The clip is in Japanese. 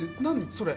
それ。